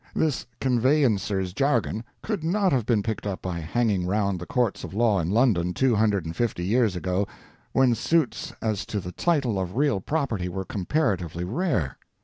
This conveyancer's jargon could not have been picked up by hanging round the courts of law in London two hundred and fifty years ago, when suits as to the title of real property were comparatively rare.